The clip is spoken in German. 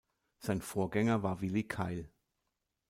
Sein Vorgänger war Willi Keil.